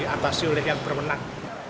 atau silikon yang bermenang